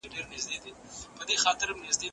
هغه څوک چي نان خوري قوي وي